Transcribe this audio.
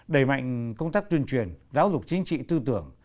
đẩy mạnh công tác tuyên truyền giáo dục chính trị tư tưởng